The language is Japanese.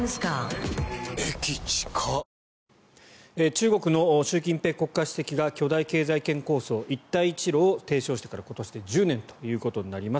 中国の習近平国家主席が巨大経済圏構想、一帯一路を提唱してから今年で１０年ということになります。